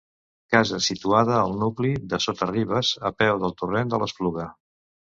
Casa situada al nucli de Sota-ribes, a peu del torrent de l'Espluga.